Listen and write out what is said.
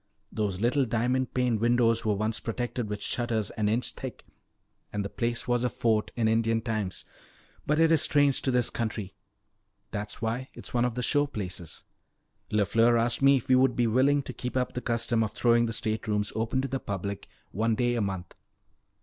Those little diamond paned windows were once protected with shutters an inch thick, and the place was a fort in Indian times. But it is strange to this country. That's why it's one of the show places. LeFleur asked me if we would be willing to keep up the custom of throwing the state rooms open to the public one day a month."